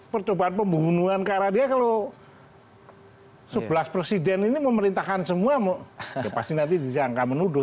percobaan pembunuhan karena dia kalau sebelas presiden ini memerintahkan semua pasti nanti dijangka menuduh